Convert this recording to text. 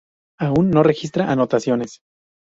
Aún no registra anotaciones.